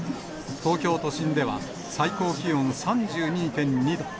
東京都心では、最高気温３２．２度。